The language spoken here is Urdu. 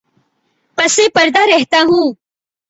پس پردہ رہتا ہوں